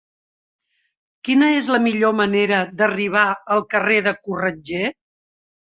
Quina és la millor manera d'arribar al carrer de Corretger?